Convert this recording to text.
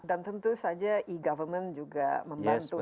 dan tentu saja e government juga membantu ya